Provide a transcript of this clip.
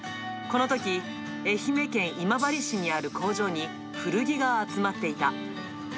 このとき、愛媛県今治市にある工場に、古着が集まっていた。